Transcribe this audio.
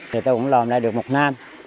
thì tôi cũng làm ra được một năm